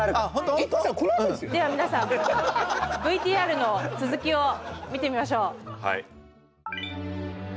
では皆さんＶＴＲの続きを見てみましょう。